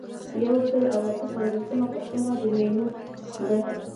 یو سل او اته پنځوسمه پوښتنه د مینوټ ده.